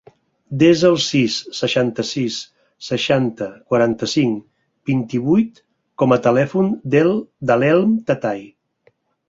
Desa el sis, seixanta-sis, seixanta, quaranta-cinc, vint-i-vuit com a telèfon de l'Elm Tatay.